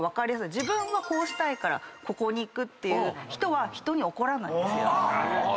自分はこうしたいからここに行くっていう人は人に怒らないんですよ。